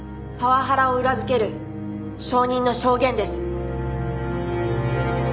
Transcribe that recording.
パワハラを裏付ける証人の証言です。